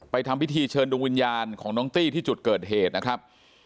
ทำพิธีเชิญดวงวิญญาณของน้องตี้ที่จุดเกิดเหตุนะครับ